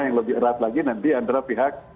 yang lebih erat lagi nanti antara pihak